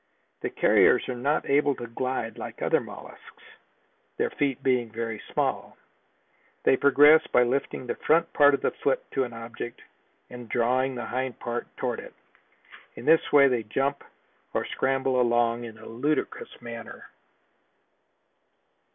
The carriers are not able to glide like other mollusks, their feet being very small. They progress by lifting the front part of the foot to an object and then drawing the hind part toward it. In this way they jump or scramble along in a ludicrous manner.